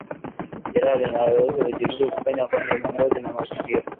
Jeraha linaloruhusu vijidudu kupenya kwenye ngozi na mazingira